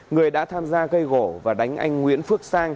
người đã tham gia gây gỗ và đánh anh nguyễn phước sang